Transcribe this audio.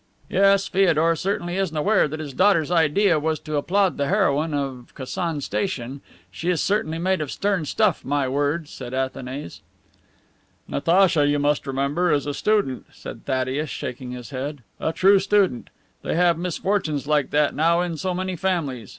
"Yes, Feodor certainly isn't aware that his daughter's idea was to applaud the heroine of Kasan station. She is certainly made of stern stuff, my word," said Athanase. "Natacha, you must remember, is a student," said Thaddeus, shaking his head; "a true student. They have misfortunes like that now in so many families.